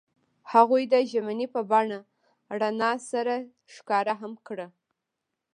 هغوی د ژمنې په بڼه رڼا سره ښکاره هم کړه.